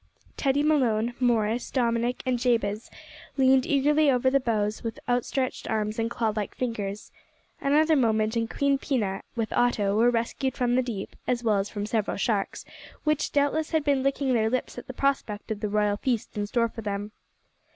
Teddy Malone, Morris, Dominick, and Jabez leaned eagerly over the bows with outstretched arms and clawlike fingers. Another moment and Queen Pina with Otto were rescued from the deep, as well as from several sharks, which, doubtless, had been licking their lips at the prospect of the royal feast in store for them.